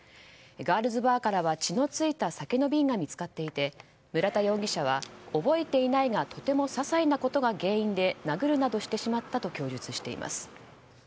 ガールズバーからは血の付いた酒の瓶が見つかっていて村田容疑者は覚えていないがとても些細なことが原因で殴るなどしてしまったと供述しています。